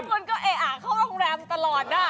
แม่คนก็เอ๋อเข้าโรงแรมตลอดน่ะ